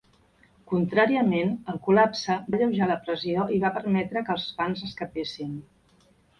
Contràriament, el col·lapse va alleujar la pressió i va permetre que els fans escapessin.